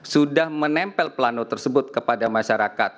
sudah menempel plano tersebut kepada masyarakat